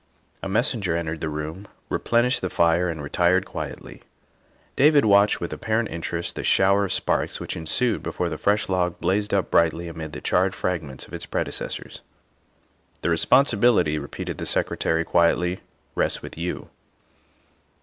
'' A messenger entered the room, replenished the fire, and retired quietly. David watched with apparent in terest the shower of sparks which ensued before the fresh log blazed up brightly amid the charred fragments of its predecessors. " The responsibility," repeated the Secretary quietly, " rests with you."